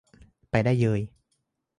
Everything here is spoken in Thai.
ไปได้เยย